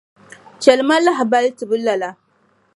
Chɛli ma lahabali tibu lala.